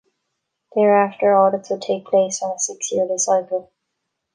Thereafter audits would take place on a six-yearly cycle.